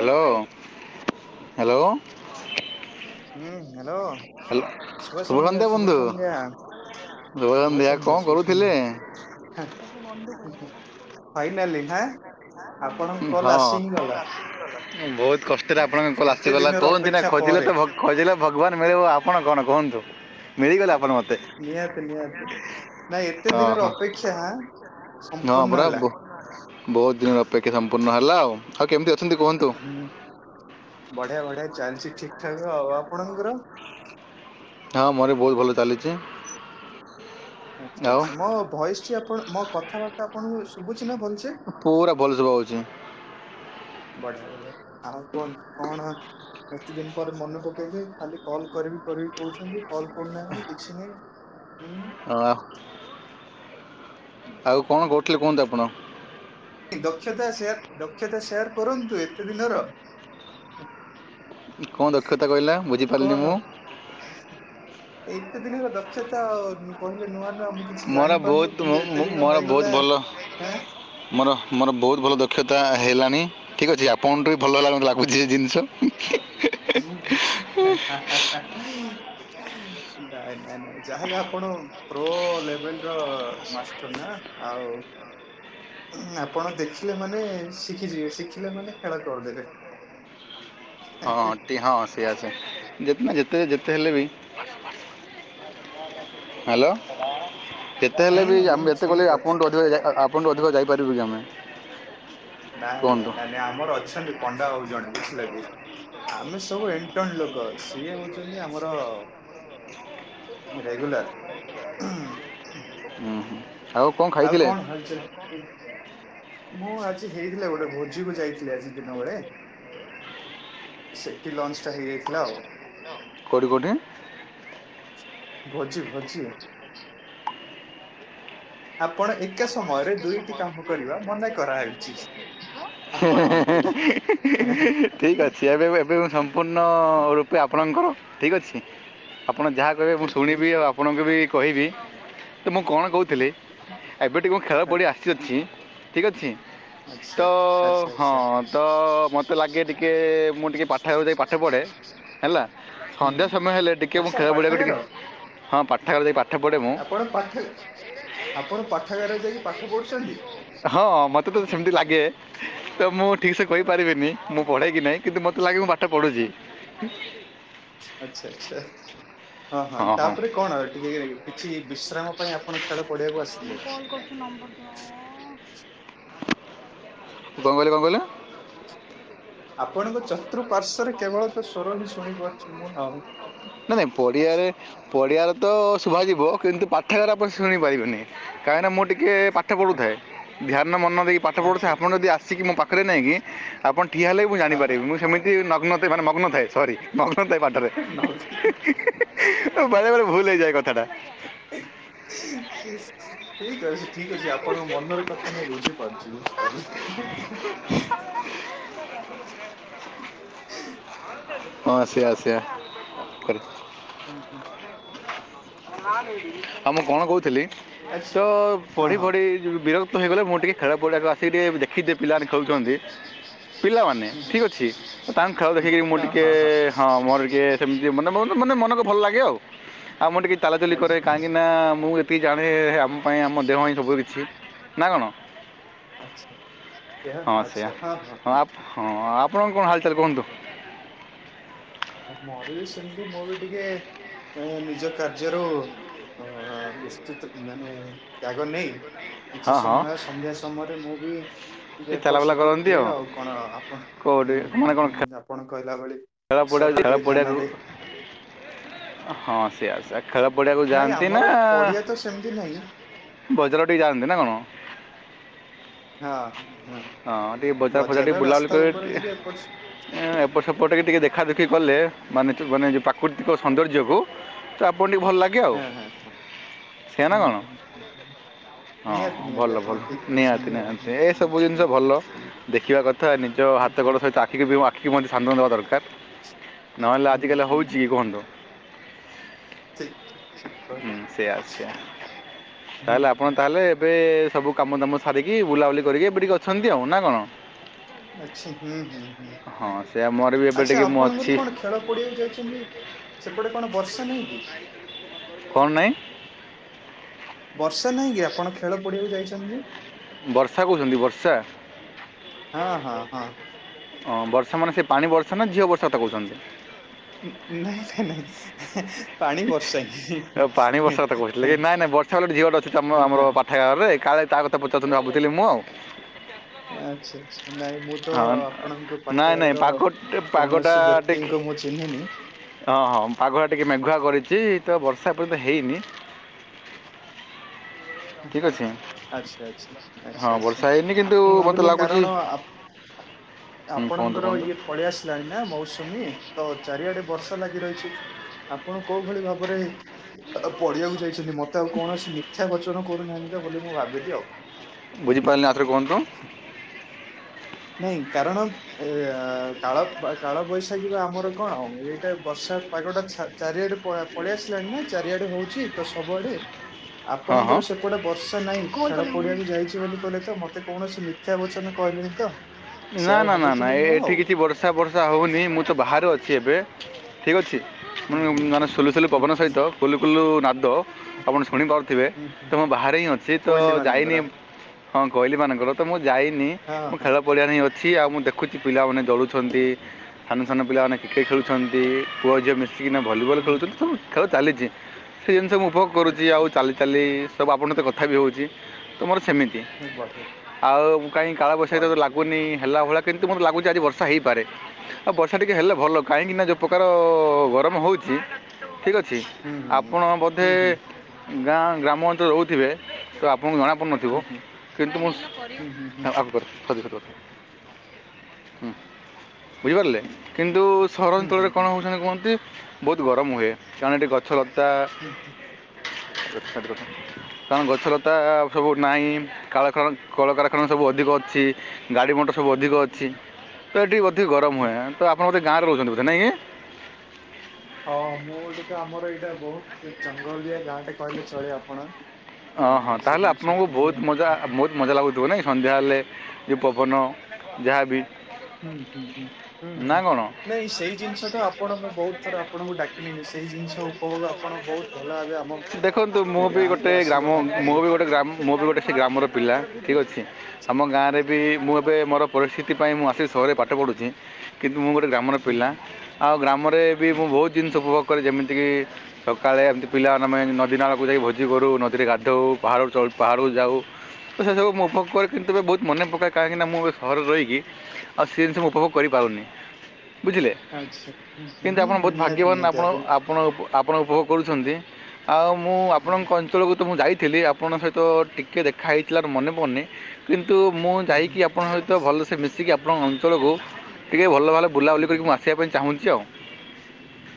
Hello hello. ହୁଁ hello ଶୁଭ hello ସନ୍ଧ୍ୟା [inaudible] ଶୁଭ ବନ୍ଧୁ। ସନ୍ଧ୍ୟା [unintelligible] କଣ କରୁଥିଲେ? ହା ହି ହି ଫାଇନାଲି ହାଁ। ଆପଣଙ୍କ କଲ ହଁ ଆସି ହିଁ ଗଲା। ବହୁତ କଷ୍ଟରେ ଆପଣଙ୍କ କଲ ଏତେ ଆସିଗଲା ଦିନର କୁହନ୍ତି ନା ଅପେକ୍ଷା ଖୋଜିଲେ ପରେ। ତ ଭକ୍ ଖୋଜିଲେ ଭଗବାନ ମିଳିବ ଆପଣ କଣ କୁହନ୍ତୁ ମିଳିଗଲେ ଆପଣ ମୋତେ। ନିହାତି ନିହାତି ନାଇ ଏତେ ହଁ ଦିନର ହଁ ଅପେକ୍ଷା ହଁ ପରା ସମ୍ପୂର୍ଣ୍ଣ ହେଲା। ବ- ବହୁତ ଦିନରେ ଅପେକ୍ଷା ସମ୍ପୂର୍ଣ୍ଣ ହେଲା ଆଉ। ଆଉ କେମିତି ଅଛନ୍ତି କୁହନ୍ତୁ? ହୁଁ ବଢିଆ ବଢିଆ ଚାଲିଛି ଠିକ ଠାକ ଆଉ ଆପଣଙ୍କର? ହଁ ମୋର ବହୁତ ଭଲ ଚାଲିଛି। ଆଚ୍ଛା ଆଉ ଆଚ୍ଛା ମୋ ଭଏସଟି ଆପଣ ମୋ କଥାବାର୍ତ୍ତା ଆପଣଙ୍କୁ ଶୁଭୁଛି ନା ଭଲସେ? ପୁରା ଭଲ ଶୁବା ହଉଛି। ବଢିଆ ବଢିଆ ଆଉ କୁହନ୍ତୁ କଣ? ଏତେ ଦିନ ପରେ ମନେ ପକେଇଲେ ଖାଲି କଲ୍ କରିବି କରିବି କହୁଛନ୍ତି କଲ୍ କରୁନାହାନ୍ତି କିଛି ନାହିଁ। ହୁଁ। ହଁ। ଆଉ କଣ କରୁଥିଲେ କୁହନ୍ତୁ ଆପଣ? ଦକ୍ଷତା ସେୟାର ଦକ୍ଷତା ସେୟାର କରନ୍ତୁ ଏତେ ଦିନର। କଣ ଦକ୍ଷତା କହିଲା କଣ ବୁଝିପାରିଲିନି ମୁଁ। ଏତେ ଦିନର ଦକ୍ଷତା ଅ କହିଲେ ନୂଆ ନୂଆ ମୁଁ କିଛି ମୋର ଜାଣି ପାରୁନି ବହୁତ କିନ୍ତୁ ମୁଁ- ଏତେ ମୁଁ- ଦିନ ମୋର ବହୁତ ହେଇଗଲା ଭଲ ଆଁ। ମୋର ମୋର ବହୁତ ଭଲ ଦକ୍ଷତା ହେଲାନି। ଠିକ ଅଛି ଆପଣଠୁ ବି ଭଲ ହେଲା ଭ ଲାଗୁଛି ଏ ଆଚ୍ଛା। ଜିନିଷ। [unintelligible] ନାଇଁ ନାଇ ନାଇଁ ଯାହାଲେ ଆପଣ ପ୍ରୋ ଲେବଲ ର ମାଷ୍ଟର ନା ଆଉ। ଆପଣ ଦେଖିଲେ ମାନେ ଶିଖିଯିବେ ଶିଖିଲା ମାନେ ଖେଳ କରିଦେବେ। ହଁ ଟି ହଁ ସେଆ ସେ ଯେତେ ନା ଯେତେ ଯେତେ ହେଲେ ବି ହ୍ୟାଲୋ ଯେତେ ହେଲେ ହୁଁ ବି ହୁଁ ଆମେ ଯେତେ କଲେ ଶୁଣିପାରୁଛି ଆପଣଠୁ ଅଧିକ ଯ ଆ ପଣଙ୍କଠୁ ଅଧିକ ଯାଇପାରିବୁ କି ଆମେ। ନାଇଁ ନାଇଁ କୁହନ୍ତୁ ନାଇଁ ନାଇଁ ଆମର ଅଛନ୍ତି ପଣ୍ଡା ବାବୁ ଜଣେ ବୁଝିଲ କି। ଆମେ ସବୁ ଏଣ୍ଟଣ ଲୋକ ସିଏ ହଉଛନ୍ତି ଆମର ରେଗୁଲାର। ହୁଁ ହୁଁ। ଆଉ କ'ଣ ଆଉ ଖାଇଥିଲେ କଣ ହାଲଚାଲ। ମୁଁ ଆଜି ହେଇଥିଲା ଗୋଟେ ଭୋଜିକୁ ଯାଇଥିଲି ଆଜି ଦିନ ବେଳେ। ସେଠି ଲଞ୍ଚ ଟା ହେଇଯାଇଥିଲା ଆଉ। କୋଉଠି କୋଉଠି। ଭୋଜି ଭୋଜି। ଆପଣ ଏକା ସମୟରେ ଦୁଇଟି କାମ କରିବା ମନା କରାହେଇଛି। ଆପଣଙ୍କୁ। [unintelligible] ଠିକ୍ ଅଛି ଏବେ ଏବେ ମୁଁ ସ ପୂର୍ଣ୍ଣ ରୂପେ ଆପଣଙ୍କର ଠିକ୍ ଅଛି ଆପଣ ଯାହା କହିବେ ମୁଁ ଶୁଣିବି ଆଉ ଠିକ ଆପଣଙ୍କ ବି କହିବି ତ ମୁଁ କଣ କହୁଥିଲି ଏବେ ଟିକେ ମୁଁ ଖେଳ ପଡ଼ିଆ ଆସିଅଛି। ଠିକ୍ ଅଛି ତ ଅଛି ଆଚ୍ଛା ଆଚ୍ଛା ହଁ। ଆଚ୍ଛା ତ ମୋତେ ଲାଗେ ଟିକିଏ ମୁଁ ଟିକିଏ ପାଠଗାର ଯାଇ ପାଠ ପଢ଼େ। ହେଲା ହୁଁ ସନ୍ଧ୍ୟା ହୁଁ ସମୟ ହେଲେ ଟିକେ ମୁଁ ଆଚ୍ଛା ଖେଳ ପଡିଆକୁ ପାଠାଗାର ଟିକେ ହଁ ପାଠଗାର ଯାଇ ପା ଆପଣ ପାଠ ଆପଣ ପାଠାଗାର ଯାଇକି ପାଠ ପଢୁଛନ୍ତି। ହଁ ମତେ ତ ସେମିତି ଲାଗେ। ତ ମୁଁ ଠିକ ସେ କହିପାରିବିନି ମୁଁ ପଢେ କି ନାହିଁ କିନ୍ତୁ ମତେ ଲାଗେ ମୁଁ ପାଠ ପଢୁଛି। ଆଚ୍ଛା ଆଚ୍ଛା ହଁ ହଁ ତାପରେ କଣ ଆ ଟିକେ କିଛି ବିଶ୍ରାମ ପାଇଁ ଆପଣ ଖେଳ ପଡିିଆକୁ ଆସ ବୋଉ କହିଲେ କଣ କହିଲ। ଆପଣଙ୍କ ଚତୁଃପାର୍ଶ୍ଵରେ କେବଳତ ସ୍ଵର ହିଁ ଶୁଣିପାରୁଛି ମୁଁ ହଉ। ନାଇ ନାଇଁ ପଡ଼ିଆରେ ପଡ଼ିଆରେ ତ ଶୁଭାଯିବ କିନ୍ତୁ ପାଠାଗାର ରେ ଆପଣ ଶୁଣି ପାରିବେନି। କାହିଁକିନା ମୁଁ ଟିକେ ପାଠ ଆଚ୍ଛା ପଢ଼ୁଥାଏ ଧ୍ୟାନ ମନ ଦେଇକି ପାଠ ପଢ଼ୁଥାଏ ଆଚ୍ଛା। ଆପଣ ଯଦି ଆସିକି ମୋ ପା ଖରେ ନାଇଁ କି ଆପଣ ଠିଆ ହେଲେ ବି ମୁଁ ହଁ ଜାଣିପାରିବି ମୁଁ ସେମିତି ନଗ୍ନ ଥା ମାନେ ମଗ୍ନ ଥାଏ ସରି। ମଗ୍ନଥାଏ ପାଠରେ ହଁ ନ ବେଳେ ବେଳେ ଭୁଲ ହେଇଯାଏ କଥାଟା। [inaudible] ଠିକ ଅଛି ଠିକ ଅଛି ଆପଣଙ୍କ ମନର କଥା ମୁଁ ବୁଝିପାରୁଛି ବୁଝିପାରିଲି। [inaudible] [inaudible] ହଁ ସେଆ ସେଆ। ଆ ହୁଁ ହୁଁ। ଆ ମୁଁ କଣ କହୁଥିଲି ଆଚ୍ଛା ତ ହଁ ପଢ଼ି ହଁ ପଢ଼ି ଯ ବିରକ୍ତ ତ ହେଇଗଲେ ମୁଁ ଟିକେ ଖେଳ ପଡିଆକୁ ଟିକେ ଆସି ଦେଖିଦିଏ ପିଲାମାନେ ଖେଳୁଛନ୍ତି। ପିଲାମାନେ ହୁଁ ହୁଁ ଠିକ୍ ଅଛି ତାଙ୍କ ଖେଳ ହୁଁ ଦେଖିକିରି ମୁଁ ହଁ ଟିକିଏ ହଁ ହଁ ମୋର ଟିକେ ସେମିତି ମାନେ ମାନେ ମନକୁ ଭଲ ଲାଗେ ଆଉ ଆଉ ମୁଁ ଟିକେ ଚାଲାଚାଲି କରେ ଆଚ୍ଛା କାହିଁକିନା ମୁଁ ଏତିକି ଜାଣେ ହେ ଆମ ପାଇଁ ଆମ ଦେହ ହିଁ ସବୁ କିଛି। ନା କଣ। ଆଚ୍ଛା ହଁ ସେଇଆ ଆଚ୍ଛା ହଁ ହଁ ହଁ ହ। ହଁ ଆପଣଙ୍କ କଣ ହାଲଚଲ କୁହନ୍ତୁ। ଆଉ ମୋର ବି ସେମିତି ମୁଁ ବି ଟିକେ ନିଜ କାର୍ଯ୍ୟରୁ ଓ ବିସ୍ତତ ମାନେ ତ୍ୟାଗ ନାହିଁ। କିଛି ହଁ ହଁ ସମୟ ସନ୍ଧ୍ୟା ସମୟରେ ମୁଁ ବି। ଟିକେ ଏ ଏପଟ ଚାଲାବୁଲା ସେପଟ କରନ୍ତି ହୁଏ ଆଉ କଣ ଆପଣ କେଉଁଠି ହୁଁ ହଁ ମାନେ କ'ଣ ଖେ- ହୁଁ ଆପଣ କହିଲା ଭଳି। ଖେଳ ପଡିଆ ଶରୀର ଖେଳ ଟିକେ ଧ୍ୟାନ ପଡିଆକୁ ଦେ ହଁ ସେଇଆ ସେଇଆ। ଖେଳ ପଡିଆକୁ ନାଇଁ ଯାଆନ୍ତି ନା ଆମର ପଡିଆ ତ ସେମିତି ନାହିଁ ବଜାର ଟିକେ ଯାଆନ୍ତି ନା କଣ। ହଁ ହଁ ଟିକେ ବଜାର ଫଜାର ଟିକେ ବଜାରରେ ବୁଲାବୁଲି ରାସ୍ତା ଉପରେ କରି ଟିକେ ଏପଟ ସେ ଏପଟ ସେପଟ ହେଇ ଟିକେ ଦେଖାଦେଖି କଲେ ମାନେ ମାନେ ଯେଉଁ ପ୍ରାକୃତିକ ସୌନ୍ଦର୍ଯ୍ୟକୁ ତ ଆପଣ ଟିକ ଭଲ ଲା ହେଁ ହଁ ହଁ। ହୁଁ ହୁଁ ହୁଁ ହ ହଁ ହଁ ନିହାତି ଭଲ ନିହାତି ଭଲ ଆପଣ ଠିକ ନିହାତି କହିଛନ୍ତି ଆଉ ନିହାତି ହଁ ଏସବୁ ହୁଁ। ହୁଁ ଜିନିଷ ଭଲ ହୁଁ ଦେଖିବା କଥା ନିଜ ହୁଁ ହାତ ହୁଁ ଗୋଡ଼ ସ ଆଖି ଆଖିକୁ ମଧ୍ୟ ସାନ୍ଦ ଦେବା ଦରକାର ନହେଲେ ଆଜିକାଲି ହୁଁ ହଉଛି କି ହୁଁ କୁହନ୍ତୁ। ଠିକ ଠିକ। ଠିକ ହୁଁ କହିଲେ ସେଇଆ ସେଇଆ ହୁଁ ତାହେଲେ ଆପଣ ହୁଁ ତାହେଲେ ଏବେ ସବୁ କାମ ଦାମ ସାରିକି ବୁଲାବୁଲି କରିକି ଏବେ ଟିକେ ଅଛନ୍ତି ଆଉ ନା କଣ। ଆଛା ହୁଁ ହୁଁ ହୁଁ ହୁଁ ହଁ ସେୟା ମୋର ବି ଏବେ ଆଚ୍ଛା ଟିକେ ମୁଁ ଆପଣଙ୍କର ଅଛି କଣ ଖେଳ ପଡିଆକୁ ଯାଇଛନ୍ତି ସେପଟେ କଣ ବର୍ଷା ନାହିଁ କି? କଣ ନାଇଁ। ବର୍ଷା ନାହିଁ କି ଆପଣ ଖେଳ ପଡିଆକୁ ଯାଇଛନ୍ତି ଯେ ସାର ହଁ ହଁ ହଁ ହଁ ବର୍ଷା ମାନେ ସେ ପାଣି ବର୍ଷା ନା ଝିଅ ବର୍ଷା କହୁଛନ୍ତି। ନାଇଁ ନାଇଁ ନାଇଁ ପାଣି ବର୍ଷା ହିଁ ଆଉ ପାଣି ବର୍ଷା ତ କହୁ କି ନାଇଁ ନାଇଁ ବର୍ଷା ବେଳେ ଝିଅଟ ଅଛି ତ ଆମର ପା ଠା ରେ କାଳେ ତା କ ପଚାରୁନ୍ତ ଭାବୁଥିଲି ମୁଁ ଆଉ। ଆଚ୍ଛା ଆଛା। ନାଇଁ ମୁଁ ତ ହଁ ଆପଣଙ୍କ ନାଇଁ ପାଠାଗାର ନାଇଁ ର ପାଗ ପାଗଟା କୌଣସି ଟିକେ ବ୍ୟକ୍ତିଙ୍କ ମୁଁ ଚିହ୍ନିନି। ହଁ ହଁ ପାଗଟା ଟିକେ ମେଘୁଆ କରିଛି ତ ବର୍ଷା ଏ ପର୍ଯ୍ୟନ୍ତ ହେଇନି। ଠିକ୍ ଅଛି ଆଚ୍ଛା ଆଚ୍ଛା ହଁ ଆଚ୍ଛା ବର୍ଷା ଆଚ୍ଛା ହେଇନି କିନ୍ତୁ ମୁଁ ମୋତେ ଭାବିଲି ଲାଗୁଛି କାରଣ ହୁଁ, କୁହନ୍ତୁ ଆପଣଙ୍କର କୁହନ୍ତୁ ଇଏ ପଳେଇ ଆସିଲାଣି ନା ମୌସୁମୀ ତ ଚାରିଆଡେ ବର୍ଷା ଲାଗି ରହିଛି। ଆପଣ କୋଉ ଭଳି ଭାବରେ ପଢିବାକୁ ଯାଇଛନ୍ତି ମତେ ଆଉ କୌଣସି ମିଥ୍ୟା ବଚ ବୋଲି ମୁଁ ଭାବିଲି ଆଉ ବୁଝିପାରିଲିନି ଆଉ ଥରେ କୁହନ୍ତୁ? ନାଇଁ କାରଣ। ଏ କାଳ କାଳ ବୈଶାଖୀ ବା ଆମର କଣ ଆଉ ଏଇଟା ବର୍ଷା ପାଗଟା ଚାରିଆଡେପଡେ ପଳେଇ ଆସିଲାଣି ନା ଚାରିଆଡେ ହଉଛି ତ ସବୁଆଡେ। ହ ଆପଣଙ୍କର ସେପଟେ ବର୍ଷା ନହିଁ ଖେଳ ପଡିଆକୁ ଯାଇଛି ବୋଲି କହିଲ ତ ମତେ କୌଣସି ମିଥ୍ୟା ବଚନ କହିଲେଣି ତ ନା ସେୟା ନା ନା ନା ଭାବୁଥିଲି ମୁଁ ଆଉ ଏଠି କିଛି ବର୍ଷା ବର୍ଷା ହେଉନି ମୁଁ ତ ବାହାରୁ ଅଛି ଏବେ। ଠିକ୍ ଅଛି ହୁଁ ହୁଁ ମାନେ ସୁୋଲୁସୁଲୁ ହୁଁ ପବନ ହୁଁ ସହିତ କୁଲୁ କୁଲୁ ନାଦ ଆପଣ ଶୁଣିପାରୁଥି ଥିବେ ହୁଁ ତ ହୁଁ ମୁଁ ହୁଁ ବାହାରେ ହିଁ ଅଛି ତ କୋଇଲି ଯାଇନି ମାନଙ୍କର ହଁ କହିଲି ମାନଙ୍କର ତ ମୁଁ ଯାଇନି ହଁ ମୁଁ ହଁ ଖେଳ ପଡିଆ ହିଁ ଅଛି ଆଉ ମୁଁ ଦେଖୁଛି ପିଲାମାନେ ଦୌଡ ଛନ୍ତି। ସାନ ସାନ ପିଲାମାନେ କ୍ରିକେଟ୍ ଖେଳୁଛନ୍ତି ପୁଅ ଝିଅ ମିସି କିିନା ଭଲିବଲ୍ ହୁଁ ଖେଳୁଛନ୍ତି ସବୁ ଖେଳ ଚାଲିଛି ସେ ଜିନିଷ ମୁଁ ଉପ ଭୋଗ କରୁଛି ଆଉ ଆଚ୍ଛା ଚାଲିଛି। ଚାଲି ସବୁ ଆପଣ ସତେ କଥା ବି ହେଉଛି ତ ମୋର ସେମିତି ବଢିଆ ଆଉ କାହିଁ କାଳ ବୈଶାଖୀ ତ ବଢିଆ ଲାଗ ଲୁନି ହେଲା ଭଳିଆ କିନ୍ତୁ ମତେ ଲାଗୁଛି ଆଜି ବର୍ଷା ହେଇପାରେ। ଆଉ ବର୍ଷା ଟିକେ ହେଲେ ଭଲ କାହିଁକିନା ଯେଉ ପ୍ରକାର ଗରମ ହେଉଛି। ଠିକ୍ ଅଛି ହୁଁ ହୁଁ ହୁଁ ଆପଣ ବୋଧେ ହୁଁ ହୁଁ ଗାଁ ଗ୍ରାମ ଅଞ୍ଚଳ ରହୁଥିବେ ତ ଆପଣଙ୍କୁ ଜଣା ପଡ଼ୁନଥିବ। ଥିବ ହୁଁ ହୁଁ କିନ୍ତୁ ମୁଁ ହୁଁ ହୁଁ ହୁଁ ଆଗ କର [unintelligible] ହୁଁ ବୁଝିପାରିଲେ କିନ୍ତୁ ହୁଁ ହୁଁ ସହରାଞ୍ଚଳରେ କଣ ହୁଁ ହେଉଛନ୍ତି କୁହନ୍ତି ବହୁତ ଗରମ ହୁଏ କାରଣ ଏଠି ଗଛ ଲତା ହୁଁ ହୁଁ। [unintelligible] କାରଣ ଗଛଲତା ସବୁ ନାହିଁ କାଳଖ କଳକାରଖାନା ସବୁ ଅଧିକ ଅଛି। ଗାଡ଼ି ମଟର ସବୁ ଅଧିକ ହୁଁ ଅଛି ହୁଁ। ତ ଏଠି ଅଧିକ ଗରମ ହୁଁ। ହୁଏ ତ ଆପଣ ବୋଧେ ଗାଁରେ ରହୁଛନ୍ତି ବୋଧେ ନାଇଁ। ହଁ ମୁଁ ଗୋଟେ ତ ଆମର ଏଇଟା ବହୁତ ଜଙ୍ଗଲିଆ ଗାଁ ଟେ କହିଲେ ଚଳେ ଆପଣ? ହଁ ହଁ ସେ ତାହେଲେ ଜିନିଷ ଆପଣଙ୍କୁ ବହୁତ ମଜା। ହୁଁ ବହୁତ ମଜା ଲାଗୁଥିବ ନାଇଁ ସନ୍ଧ୍ୟା ହେଲେ ଯଉ ପବନ ଯାହାଵି ହୁଁ ହୁଁ ହୁଁ ହୁଁ ହୁଁ କ'ଣ ନାଇଁ ସେଇ ଜିନିଷ ତ ଆପଣ ମୁଁ ବହୁତ ଥର ଆପଣଙ୍କୁ ଡାକିଲିଣସ ଆମ ଦେଖନ୍ତୁ ମୁଁ ବି ଗାଁକୁ ଗୋଟେ ଆସିଲେ ଗ୍ରାମ ମୁଁ କରିପାରିବେ। ବି ଗୋଟେ ଗ୍ରାମ ମୁଁ ବି ଗୋଟେ ସେ ଗ୍ରାମର ପିଲା ଠିକ୍ ଅଛି। ଆମ ଗାଁରେ ବି ମୁଁ ଏବେ ମୋର ପରିସ୍ଥିତି ପାଇଁ ମୁଁ ଆସିକି ସହରରେ ପାଠ ପଢ଼ୁଛି। କିନ୍ତୁ ମୁଁ ଗୋଟେ ଗ୍ରାମର ହୁଁ ପିଲା ହୁଁ ଆଉ ଗ୍ରାମରେ ବି ହୁଁ ମୁଁ ହୁଁ ବହୁତ ଜିନିଷ ଉପଭୋଗ କରେ ଯେମିତିକି ସକାଳେ ଏମିତି ପିଲାମାନେ ଆମେ ନଦୀ ନାଳକୁ ଯାଇ ଭୋଜି କରୁ ନଦୀରେ ଗାଧଉ ପାହାଡ଼ ଚ ପାହାଡ଼କୁ ଯାଉ ତ ସେ ସବୁ ମୁଁ ଉପରେ କିନ୍ତୁ ଏବେ ବହୁତ ମନେ ପକାଏ କାହିଁକି ନା ମୁଁ ଏ ସହରରେ ରହିକି ଆଉ ସେ ଜିନିଷ ମୁଁ ଉପଭୋଗ କରିପାରୁନି। ବୁଝିଲେ ଆଚ୍ଛା ହୁଁ ହୁଁ କିନ୍ତୁ ହୁଁ ଆପଣ ହୁଁ ବହୁତ ନିହାତି ଭାଗ୍ୟବାନ ନିହାତି ଆପଣ ଭାବେ। ଆପଣ ଆପଣ ଉପଭୋଗ କରୁଛନ୍ତି ଆଉ ମୁଁ ହୁଁ ଆପଣଙ୍କ ହୁଁ କ ଯେତେବେଳକୁ ତ ମୁଁ ଯାଇଥିଲି ଆପଣଙ୍କ ସହିତ ଟିକିଏ ଦେଖାହେଇଥିଲାର ମନେ ପଡ଼ନି। କିନ୍ତୁ ମୁଁ ହୁଁ ହୁଁ ଯାଇକି ଆପଣଙ୍କ ସହିତ ଭଲସେ ମିଶିକି ଆପଣଙ୍କ ଅଞ୍ଚଳକୁ ଟିକେ ଭଲ ଭବାରେ ହୁଁ ବୁଲାବୁଲି ହୁଁ। କରିକି ମୁଁ ଆସିବା ପାଇଁ ଚାହୁଁଛି ଆଉ।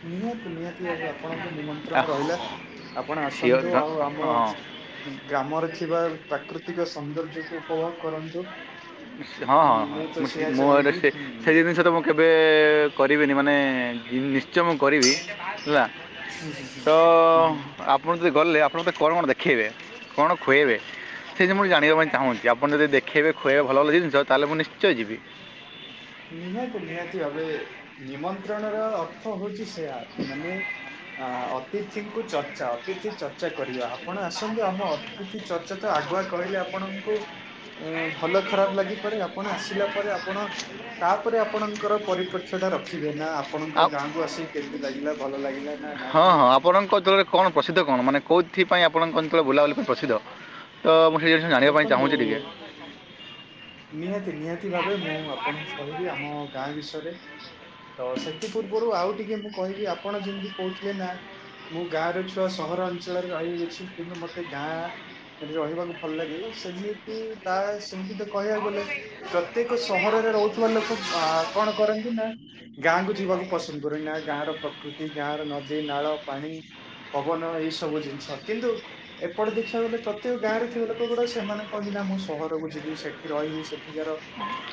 ନିହାତି ନିହାତି। ତି ଆପଣଙ୍କୁ ନିମନ୍ତ୍ରଣ ରହିଲା ଆପଣ ସିଓର ଆସନ୍ତୁ ହଁ ଆଉ ଆମ ହଁ ଗ୍ରାମରେ ଥିବା ପ୍ରାକୃତିକ ସୌନ୍ଦର୍ଯ୍ୟକୁ ଉପଭୋଗ କରନ୍ତୁ। ହଁ ଉଁ, ମୁଁ [unintelligible] ତ ହଁ ସେଇଆ ମୋ ଚାହିଁବି ସେଇ ହୁଁ ହୁଁ ଜିନିଷ ତ ମୁଁ କେବେ କରିବେନି ମାନେ ନି [unintelligible] ମୁଁ କରିବି ହେଲା ହୁଁ ହୁଁ। ତ ହୁଁ ହୁଁ ହୁଁ ଆ ଆପଣ ଯଦି ଗଲେ ଆପଣ ମୋତେ କଣ କଣ ଦେଖେଇବେ କଣ ଖୁଏଇବେ? ସେଥିିନି ମୁଁ ଜାଣିବା ପାଇଁ ଚାହୁଁଛି ଆପଣ ଯଦି ଦେଖବେ ଖୁଆବେ ଭଲ ଜିନିଷ ତାହେଲେ ମୁଁ ନିଶ୍ଚୟ ଯିବି। ନିହାତି ନିହାତି ଏବେ ନିମନ୍ତ୍ରଣ ର ଅର୍ଥ ହଉଛି ମାନେ ଅତିଥିଙ୍କୁ ଚର୍ଚ୍ଚା ଅତିଥି ଚର୍ଚ୍ଚା କରିବା ଆପଣ ଆସ ଆମ ଅତିଥି ଚର୍ଚ୍ଚା ତ ଆଗୁଆ କହିଲେ ଆପଣଙ୍କୁ ଏ ଭଲ ଖରାପ ଲାଗିପାରେ ଆପଣ ଆସିଲା ପରେ ଆପଣ ତାପରେ ଆପଣଙ୍କର ପରିପ୍ରେକ୍ଷ୍ୟ ଟା ରଖିବେ ନା ଆପଣଙ୍କ ଆଉ ଗାଁକୁ ଆସିକି କେମିତି ଲାଗିଲା ଭଲ ଲାଗିଲା। ନା ନାଇଁ ହଁ ନା ହଁ ଆପଣଙ୍କ ଅଞ୍ଚଳରେ କଣ ପ୍ରସିଦ୍ଧ କଣ ମାନେ କେଉଁଥିପାଇଁ ଆପଣଙ୍କ ଅଞ୍ଚଳରେ ବୁଲାବୁଲି ପାଇଁ ପ୍ରସିଦ୍ଧ? ତ ମୁଁ ସେ ଜିନିଷ ଜାଣିବା ପାଇଁ ଚାହୁଁଛି ଟିକେ ଦେଖନ୍ତୁ ନିହାତି ନିହାତି ଭାବେ ମୁଁ ଆପଣଙ୍କୁ କହିବି ଆମ ଗାଁ ବିଷୟରେ ତ ସେଥି ପୂର୍ବରୁ ଆଉ ଟିକେ ମୁଁ କହିବି ଆପଣ ଯେମିତି କହୁଥିଲେ ନା ମୁଁ ଗାଁ ର ଛୁଆ ସହର ଅଞ୍ଚଳରେ ରହିଯାଇଛି କିନ୍ତୁ ମତେ ଗାଁ ଏଠି ରହିବାକୁ ଭଲ ଲାଗେ ସେମିତି ତା ସେମିତି ତ କହିବାକୁ ଗଲେ ପ୍ରତ୍ୟେକ ସହରରେ ରହୁଥିବା ଲୋକ କଣ କରନ୍ତି ନା ଗାଁକୁ ଯିବାକୁ ପସନ୍ଦ କରୁନି। ନା ଗାଁର ପ୍ରକୃତି, ଗାଁର ନଦୀ, ନାଳ, ପାଣି ପବନ ଏଇ ସବୁ ଜିନିଷ କିନ୍ତୁ ଏପଟେ ଦେଖିବାକୁ ଗଲେ, ପ୍ରତ୍ୟେକ ଗାଁରେ ଥିବା ଲୋକ ଗୁଡା ସେମାନେ କହନ୍ତି, ନା ମୁଁ ସହରକୁ ଯିବି ସେଠ୍ ରହିବି। ସେଠିକାର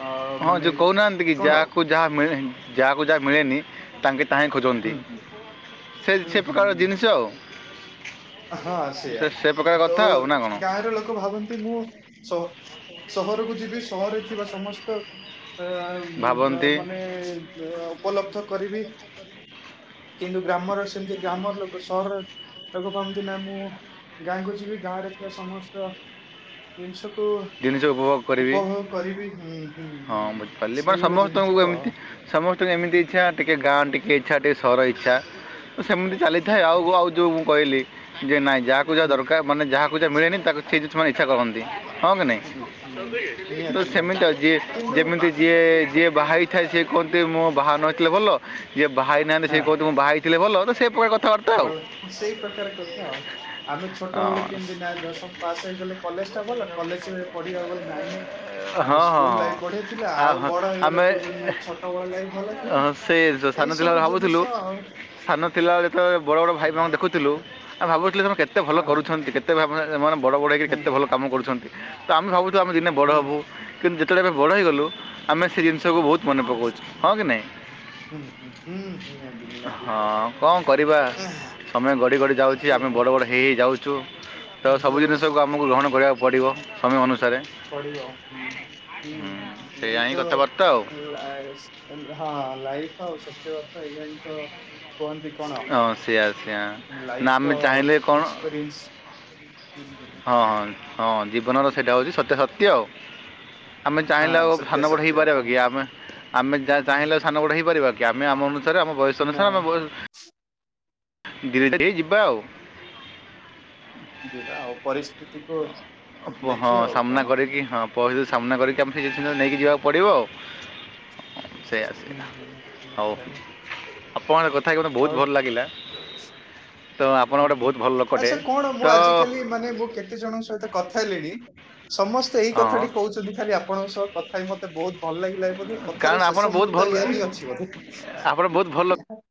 ଅ ହଁ, ମାନେ ଯଉ କହୁନାହାଁନ୍ତି କି, କଣ ଯାହାକୁ ଯାହା ମିଳେନ୍, ଯାହାକୁ ଯାହା ମିଳେନି, ତାଙ୍କେ ତାହାହିଁ ଖୋଜନ୍ତି। ହୁଁ ହୁଁ ସେ ହୁଁ ସେ ହୁଁ ପ୍ରକାର ହୁଁ ଜିନିଷ ହୁଁ ଆଉ। ହଁ, ସେ ସେଇୟା। ସେ ପ୍ରକାର ତ କଥା ଆଉ ନା କ'ଣ ଗାଁର ଲୋକ ଭାବନ୍ତି ମୁଁ ସ-ସହରକୁ ଯିବି, ସହରରେ ଥିବା ସମସ୍ତ ଆଁ ଭାବନ୍ତି ମ-ମାନେ-ଏ ଉପଲବ୍ଧ କରିବି। କିନ୍ତୁ ଗ୍ରାମର ସେମିତି, ଗ୍ରାମର ଲୋକ ସହର ଲୋକ କମ୍ ଦିନା, ମୁଁ ଗାଁକୁ ଯିବି। ଗାଁ ରେ ଥିବା, ସମସ୍ତ ଜିନିଷକୁ ଜିନିଷ ଉପଭୋଗ କରିବି ଉପଭୋଗ କରିବି। ହୁଁ। ହୁଁ ହଁ, ହୁଁ ବୁଝିପାରିଲି ବ ସେଇଭଳିଆ ଜିନିଷ ସମସ୍ତଙ୍କୁ ଆଉ। ଏମିତି ସମସ୍ତଙ୍କୁ ଏମିତି ଇଚ୍ଛା ଟିକେ ଗାଁ ଟିକିଏ ଇଚ୍ଛା, ଟିକିଏ ସହର ଇଚ୍ଛା। ସେମିତି ହୁଁ ଚାଲିଥାଏ। ଆଉ ଆଉ ଯଉ, ମୁଁ କହିଲି ଯେ ନାଇଁ ଯାହାକୁ ଯାହା ହୁଁ ଦରକାର ମାନେ ଯହାକୁ ଯା ମିଳେନି, ତାକୁ ସିଏ ଯେ ସେମାନେ ଇଚ୍ଛା କରନ୍ତି। ହଁ କି ନାଇଁ? ହୁଁ ହୁଁ ତ ନିହାତି ନିହାତି ସେମିତି ଆଉ ଯିଏ କିନ୍ତୁ ଯେମିତି ଯିଏ ଯିଏ ବାହାଥାଏ ସିଏ କୁହନ୍ତି, ମୋ ବାହା ନ ହେଇଥିଲେ ଭଲ। ଯିଏ ବାହା ହେଇ ନାହାଁନ୍ତି, ସେ ହଁ କୁହନ୍ତି ମୁଁ ବାହାହେଇ ଥିଲେ ଭଲ। ତ ସେ ପ୍ରକାର କଥା ବାର୍ ଭଲ ସେଇ ପ୍ରକାର କଥା ଆଉ। ଆମେ ଛୋଟବେଳେ କେମତି ନାଇ ଦଶମ ପାସ ହୋଇଗଲେ। କଲେଜ ଟା ଭଲ। କଲେଜ ପଢିବାକୁ ଗଲେ, ନାଇଁ ନାଇଁ ଆରେ ହଁ ହଁ ହଁ ସ୍କୁଲ ହଁ ଲାଇଫ୍ ବଢିଆ ଥିଲା। ଆ- ଆଉ ହଁ, ବଡ ହେଇଗଲେ ଆମେ କହୁଛନ୍ତି, ନାଇଁ ଛୋଟ ବଳ ଲାଇଫ୍ ଭଲ ଥିଲା। ହଁ, ସେ ସାନ ଏଇ ଥିଲାବେଳେ ସବୁ ଭାବୁଥିଲୁ ଜିନିଷ ଆଉ। ସାନ ଥିଲାବେଳେ ତ ବଡ଼ ବଡ଼ ହୁଁ, ଭାଇମାଙ୍କୁ ଦେଖୁଥୁଲୁ। ଆମେ ଭାବୁଥିଲୁ ତ ସେମା କେତେ ଭଲ ହଁ କରୁଛନ୍ତି, କେତ୍ ତେ ଭାବନା ଏମାନେ ବଡ଼ ବଡ଼ ହେଇକିରି ହଁ କେତେ ଭଲ କାମ କରୁଛନ୍ତି ତ, ଆମେ ଭାବୁଛୁ ଆମେ ଦିନେ ବଡ଼ ହୁଁ ହବୁ। କିନ୍ତୁ ଯେତେବେଳେ ଆମେ ବଡ଼ ହେଇଗଲୁ, ଆମେ ସେ ଜିନିଷକୁ ବହୁତ ହୁଁ ମନେ ହୁଁ ପକଉଚୁ। ହଁ କି ନାଇଁ? ହୁଁ ହୁଁ ହୁଁ ନିହାତି ନିହାତି। ହଁ, କଣ କରିବା? ସମୟ ଗଡି ଗଡି ଯାଉଚି, ଆମେ ବଡ ବଡ ହେ ହେଇ ହେଇ ଯାଉଛୁ। ତ ସବୁ ଯାଉଛି ଜିନିଷକୁ ଆମକୁ ଗ୍ରହଣ କରିବାକୁ ପଡ଼ିବ, ସମୟ ଅନୁସାରେ। ପଡିବ ହୁଁ, ହୁଁ, ହୁଁ, ହୁଁ ସେଇଆ ଏଇ ହିଁ ତ କଥାବାର୍ତ୍ତା ଆଉ ଉଲାଆସ୍ ହଁ, ଲାଇଫ୍ ଆଉ ସତ୍ୟ ବାର୍ତା ଏଇଆ ହିଁ ତ କୁହନ୍ତି କଣ? ହଁ ସେଇଆ ସେଇଆ ନା ଲାଇଫ୍ ଆମେ ର ଚାହିଁଲେ କ'ଣ ଏକ୍ସପେରିଏନ୍ସ। ହୁଁ ହୁଁଁ। ହଁ ହଁ ହଁ, ଜୀବନର ସେଇଟା ହେଉଛି ସତ୍ୟ ସତ୍ୟ ଆଉ। ଆମେ ହଁ ଚାହିଁଲେ ଆଉ, ସତ୍ୟ ସାନ ବଡ ସତ୍ୟ ହେଇପାରିବା ଆପଣ କି? ଆମେ ଆମେ ଯା ଚାହିଁଲେ, ସାନ ବଡ଼ ହେଇପାରିବା କି? ଆମେ ଆମ ଅନୁସାରେ, ଆମ ବୟସ ଅନୁସାରେ, ଆମେ ନାଇଁ ଗୀରିଡେ ଦେଇ ଯିବା ଆଉ। ଯିବା ଆଉ, ପରିସ୍ଥିତିକୁ ହଁ, ଦେଖିବା ଆଉ ସାମ୍ନା କଣ। କରିକି ହଁ, ପରିତି ସାମ୍ନା କରିକି, ଆମେ ସେଇ ଜିନିଷ ନେଇକି ହୁଁ, ଯିବାକୁ ପଡ଼ିବ ଆଉ। ହଁ ସେଇଆ, ହୁଁ, ସେଇଆ, ହୁଁ, ହଉ। ହୁଁ, ଆପଣଙ୍କ କଥା ମତେ ହଉ ବହୁତ ଭଲ ଲାଗିଲା। ତ ଆପଣ ହୁଁ ଗୋଟେ ହୁଁ ବହୁତ ଭଲ ଲୋକଟେ ଆଚ୍ଛା କଣ ତ ମୁଁ ଆଜିକାଲି ମାନେ ମୁଁ କେତେ ଜଣଙ୍କ ସହିତ କଥା ହେଲେଣି ସମସ୍ତେ ଏଇ କଥା ହଁ ଟି କହୁଛନ୍ତି ଖାଲି ଆପଣଙ୍କ ସହ କଥା ହଁ ମତେ ବହୁତ ଭଲ ଲାଗ ଏଇ ବୋଧେ କାରଣ କଥାର ଆପଣ ଶେଷ ବହୁତ ମୁହୂର୍ତ୍ତ ଭଲ ଇ ହିଁ ଅଛି ଆପଣ ବହୁତ ଭଲ ବୋଧେ।